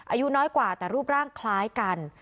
อายุน้อยกว่าแต่รูปร่างคล้ายกัน